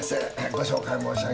ご紹介申し上げます。